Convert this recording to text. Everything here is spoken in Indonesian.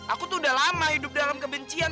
aku tuh udah lama hidup dalam kebencian